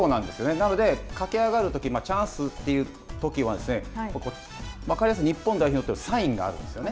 なので、かけ上がるとき、チャンスというときは、日本代表にとってのサインがあるんですよね。